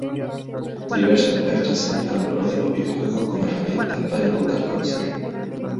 Diversos expertos han señalado el valor de los videojuegos como herramientas para inculcar conocimientos.